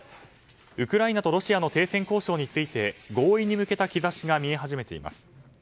ウクライナとロシアの停戦交渉について合意に向けた兆しが見え始めています。